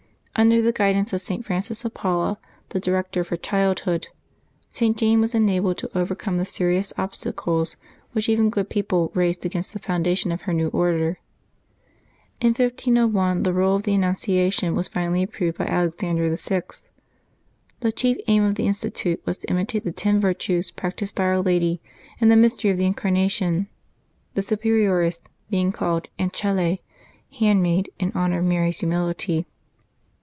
Under the guidance of St. Francis of Paula, the director of her childhood, St. Jane was enabled to overcome the serious obstacles which even good people raised against the foundation of her new Order. In 1501 the rule of the An nunciation was finally approved by Alexander VI. The chief aim of the institute was to imitate the ten virtues practised by Our Lady in the mystery of the Incarnation, the superioress being called " Ancelle," handmaid, in honor of Mary's humility.